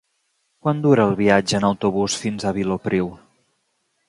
Quant dura el viatge en autobús fins a Vilopriu?